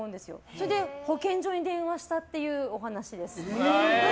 それで保健所に電話したっていうお話です。